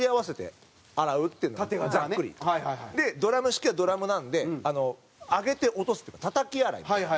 でドラム式はドラムなんで上げて落とすっていうかたたき洗いみたいな感じで。